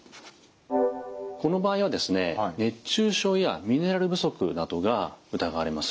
この場合はですね熱中症やミネラル不足などが疑われます。